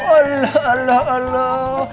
alah alah alah